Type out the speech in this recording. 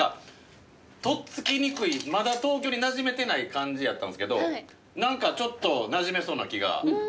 とっつきにくいまだ東京になじめてない感じやったんすけど何かちょっとなじめそうな気がしましたこれから。